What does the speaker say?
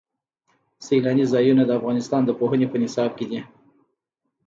سیلاني ځایونه د افغانستان د پوهنې په نصاب کې دي.